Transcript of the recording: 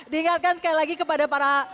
diingatkan sekali lagi kepada para